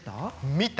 見た！